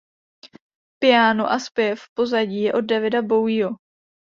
Piáno a zpěv v pozadí je od Davida Bowieho.